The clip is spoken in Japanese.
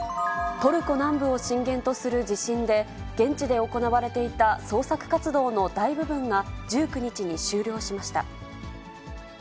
トルコ南部を震源とする地震で、現地で行われていた捜索活動の大部分が１９日に終了しました。